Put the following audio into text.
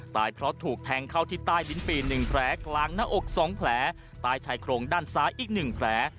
ตายเพราะถูกแทงเข้าที่ใต้ดินปีนหนึ่งแผลกลางหน้าอกสองแผลตายชายโครงด้านซ้ายอีกหนึ่งแผล